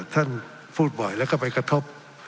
ท่านพูดบ่อยแล้วก็ไปกระทบ